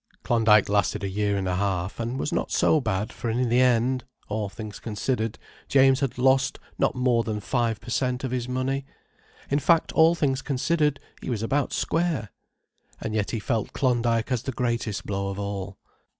Klondyke lasted a year and a half, and was not so bad, for in the end, all things considered, James had lost not more than five per cent. of his money. In fact, all things considered, he was about square. And yet he felt Klondyke as the greatest blow of all.